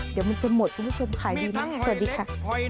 เดี๋ยวมันจะหมดคุณผู้ชมขายดีมากสวัสดีค่ะ